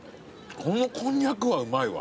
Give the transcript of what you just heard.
このこんにゃくはうまいわ。